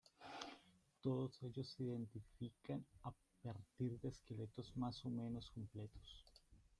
Todos ellos se identifican a partir de esqueletos más o menos completos.